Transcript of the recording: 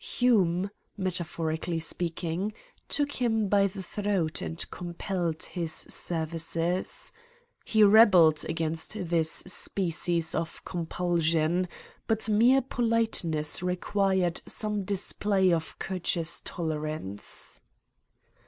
Hume, metaphorically speaking, took him by the throat and compelled his services. He rebelled against this species of compulsion, but mere politeness required some display of courteous tolerance.